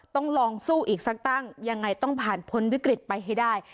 ต้องลองสู้อีกสักตั้งยังไงต้องผ่านพ้นวิกฤตไปให้ได้